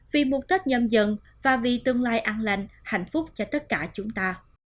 vì mục tích nhâm dân và vì tương lai ăn lành hạnh phúc cho tất cả chúng ta